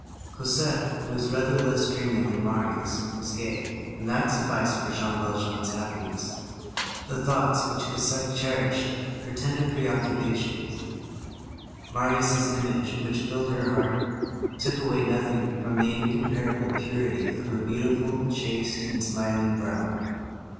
Cosette, who was rather less dreamy than Marius, was gay, and that sufficed for Jean Valjean's happiness. The thoughts which Cosette cherished, her tender preoccupations, Marius' image which filled her heart, took away nothing from the incomparable purity of her beautiful, chaste, and smiling brow.